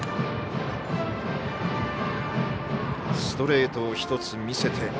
ストレートを１つ見せて。